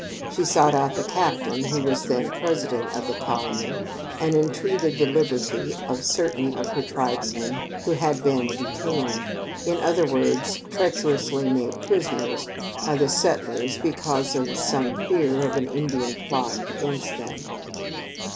She sought out the captain who was then "president" of the colony, and "entreated the libertie" of certain of her tribesmen who had been "detained," in other words, treacherously made prisoners by the settlers because of some fear of an Indian plot against them.